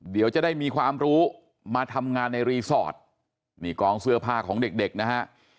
เดี๋ยวจะได้มีความรู้มาทำงานในรีสอร์ทนี่กองเสื้อผ้าของเด็กเด็กนะฮะ